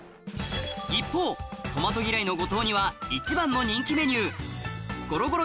一方トマト嫌いの後藤には一番の人気メニューうまそう。